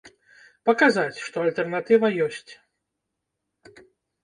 Паказаць, што альтэрнатыва ёсць.